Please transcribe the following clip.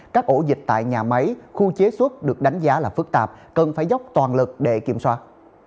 các ổ dịch tại nhà máy khu chế xuất được đánh giá là phức tạp cần phải dốc toàn lực để kiểm soát